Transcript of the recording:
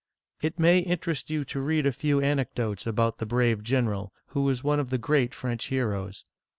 It may interest you to read a few anecdotes about the brave general, who is one of the great French heroes.